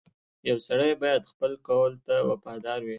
• یو سړی باید خپل قول ته وفادار وي.